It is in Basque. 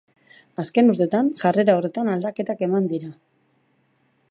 Azken urtetan jarrera horretan aldaketak eman dira.